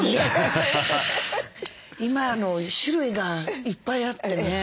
今の種類がいっぱいあってね